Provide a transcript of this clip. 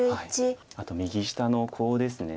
あと右下のコウですね。